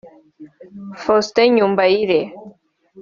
Faustin Nyumbayire